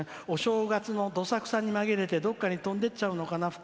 「お正月のどさくさにまぎれてどこかに飛んでいっちゃうのかな。